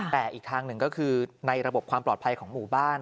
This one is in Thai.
แต่อีกทางหนึ่งก็คือในระบบความปลอดภัยของหมู่บ้าน